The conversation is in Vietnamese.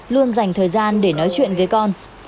luôn dành thời gian để nói chuyện với con